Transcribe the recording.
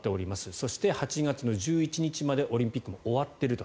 そして、８月１１日までオリンピックもう終わっていると。